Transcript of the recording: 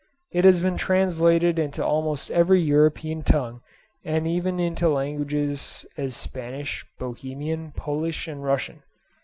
It has been translated into almost every European tongue, even into such languages as Spanish, Bohemian, Polish, and Russian.